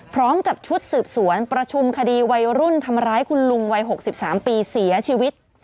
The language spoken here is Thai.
พร้อมกับชุดสืบสวนประชุมคดีวัยรุ่นทำร้ายคุณลุงวัย๖๓ปีเสียชีวิต